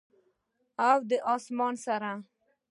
او د اسمان سره،